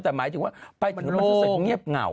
แต่หมายถึงว่าป้ายจุดนี้มันเศษเงียบเหงา